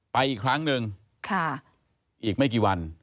ไปอีกครั้งหนึ่งอีกไม่กี่วัน